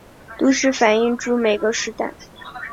都是反映著每个时代